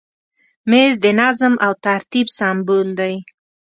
مېز د نظم او ترتیب سمبول دی.